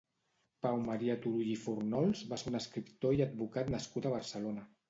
Pau Maria Turull i Fournols va ser un escriptor i advocat nascut a Barcelona.